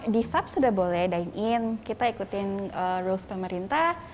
di sub sudah boleh dine in kita ikutin roles pemerintah